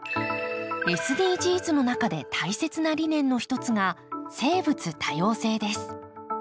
ＳＤＧｓの中で大切な理念の一つが生物多様性です。